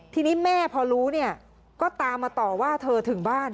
ทีนี้แม่พอรู้เนี่ยก็ตามมาต่อว่าเธอถึงบ้าน